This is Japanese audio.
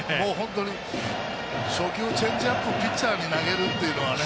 初球、チェンジアップをピッチャーに投げるっていうのはね